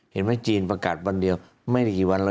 เห็นไว้จีนประกาศบันเดียว